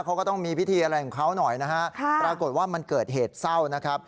เขาก็ต้องมีพิธีอะไรของเขาหน่อยนะฮะปรากฏว่ามันเกิดเหตุเศร้านะครับ